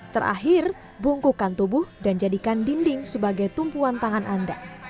terakhir bungkukan tubuh dan jadikan dinding sebagai tumpuan tangan anda